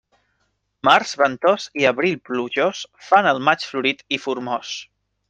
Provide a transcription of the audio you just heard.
Març ventós i abril plujós fan el maig florit i formós.